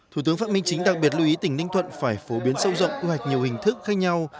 thủ tướng phạm minh chính đặc biệt lưu ý tỉnh ninh thuận phải phổ biến sâu rộng quy hoạch nhiều hình thức khác nhau